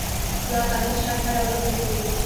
دا کافي شاپ هره ورځ ډک وي.